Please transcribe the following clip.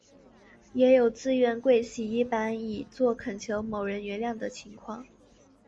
也有自愿跪洗衣板以作恳求某人原谅的情况。